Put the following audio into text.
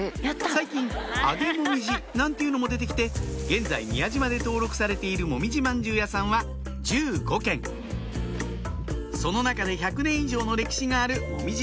最近揚げもみじなんていうのも出てきて現在宮島で登録されているもみじ饅頭屋さんは１５軒その中で１００年以上の歴史があるもみじ